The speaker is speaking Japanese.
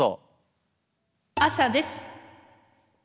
朝です。